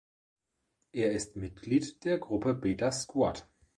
Er ist Mitglied der Gruppe Beta Squad.